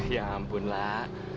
ya ampun lah